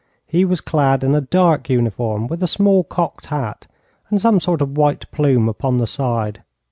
He was clad in a dark uniform with a small cocked hat, and some sort of white plume upon the side.